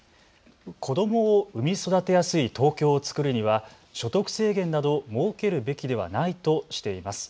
子どもを生み育てやすい東京をつくるには所得制限などを設けるべきではないとしています。